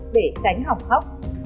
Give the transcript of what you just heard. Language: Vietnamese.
để tránh hỏng khóc